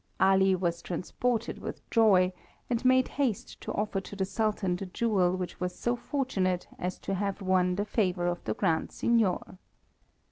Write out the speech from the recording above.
Ali was transported with joy, and made haste to offer to the Sultan the jewel which was so fortunate as to have won the favour of the Grand Signior.